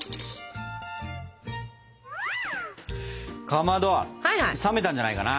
かまど冷めたんじゃないかな。